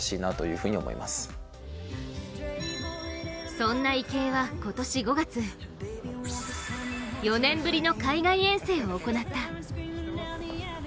そんな池江は今年５月、４年ぶりの海外遠征を行った。